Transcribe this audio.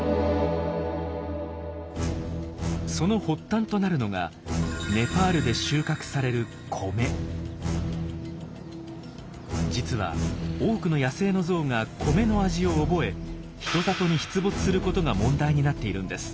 その発端となるのがネパールで収穫される実は多くの野生のゾウが米の味を覚え人里に出没することが問題になっているんです。